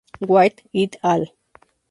White "et al.